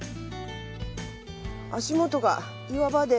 足元が岩場で。